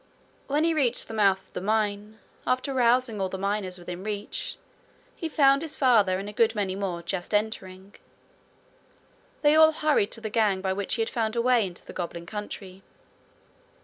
When he reached the mouth of the mine, after rousing all the miners within reach, he found his father and a good many more just entering. They all hurried to the gang by which he had found a way into the goblin country.